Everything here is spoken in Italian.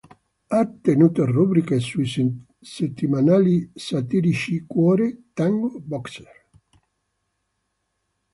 Ha tenuto rubriche sui settimanali satirici "Cuore", "Tango", "Boxer".